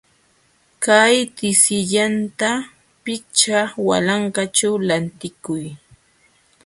Kay tinisallanta pichqa walanqaćhu lantikuy.